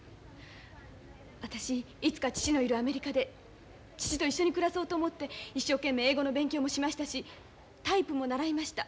私いつか父のいるアメリカで父と一緒に暮らそうと思って一生懸命英語の勉強もしましたしタイプも習いました。